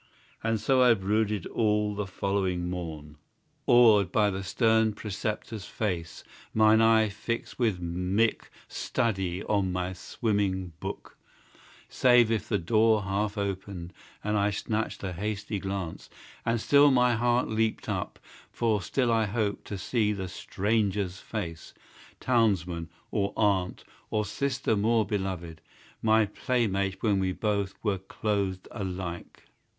And so I brooded all the following morn, Awed by the stern preceptor's face, mine eye Fixed with mick study on my swimming book: Save if the door half opened, and I snatched A hasty glance, and still my heart leaped up, For still I hoped to see the stranger's face, Townsman, or aunt, or sister more beloved, My play mate when we both were clothed alike!